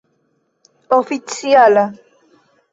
oficiala